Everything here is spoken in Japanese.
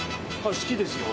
好きですよ。